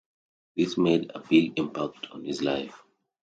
This made a big impact on his life.